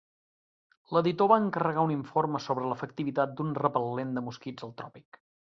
L'editor va encarregar un informe sobre l'efectivitat d'un repel·lent de mosquits al tròpic.